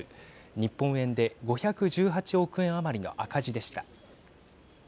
日本円で５１８億円余りの赤字でした。